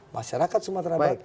masyarakat sumatera barat